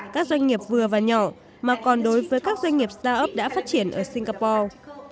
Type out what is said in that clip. các doanh nghiệp vừa và nhỏ mà còn đối với các doanh nghiệp start up đã phát triển ở singapore